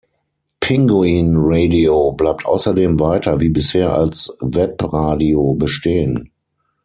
Pinguin Radio bleibt außerdem weiter wie bisher als Webradio bestehen.